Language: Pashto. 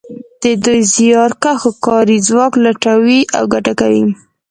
دوی د زیارکښو کاري ځواک لوټوي او ګټه کوي